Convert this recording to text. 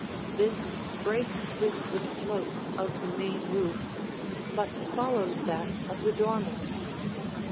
This breaks with the slope of the main roof, but follows that of the dormers.